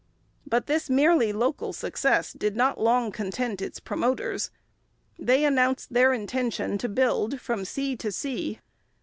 But this merely local success did not long content its promoters. They announced their intention to build from sea to sea.